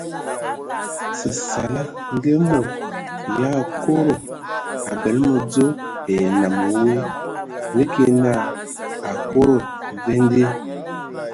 Səsala ngə e mod yʼakodo abələ mədzo ai nnam woe ngə ki na akodo mvende.